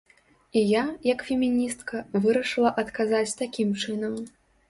І я, як феміністка, вырашыла адказаць такім чынам.